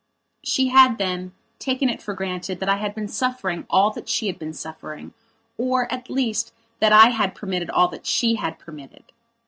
She had, then, taken it for granted that I had been suffering all that she had been suffering, or, at least, that I had permitted all that she had permitted.